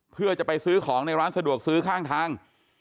เพื่อจะไปซื้อของในร้านสะดวกซื้อข้างทาง